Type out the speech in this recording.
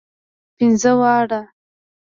پنځه واړه.